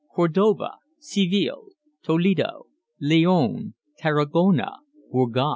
Cordova, Seville, Toledo, Leon, Tarragona, Burgos.